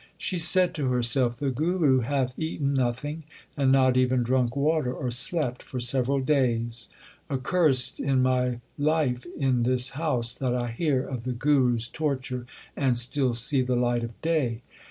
She said to herself, The Guru hath eaten nothing, and not even drunk water or slept for several days. Accursed is my life in this house that I hear of the Guru s torture, and still see the light of day